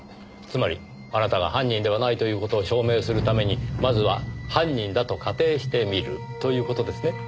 つまりあなたが犯人ではないという事を証明するためにまずは犯人だと仮定してみるという事ですね？